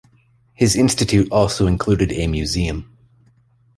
His Institute also included a museum.